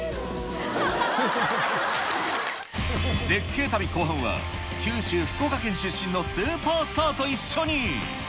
絶景旅後半は、九州・福岡県出身のスーパースターと一緒に。